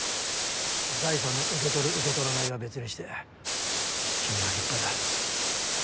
財産の受け取る受け取らないは別にして君は立派だ。